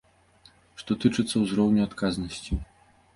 Што тычыцца ўзроўню адказнасці.